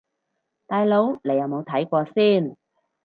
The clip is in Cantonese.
大佬你有冇睇過先